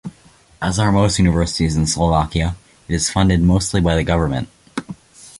As are most universities in Slovakia, it is funded mostly by the government.